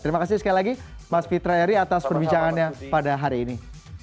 terima kasih sekali lagi mas fitra eri atas perbincangannya pada hari ini